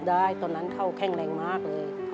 ได้ตอนนั้นเข้าแข้งแรงมากเลย